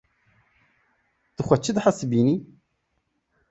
Tu xwe çi dihesibînî?